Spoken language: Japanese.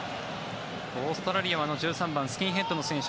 オーストラリアの１３番スキンヘッドの選手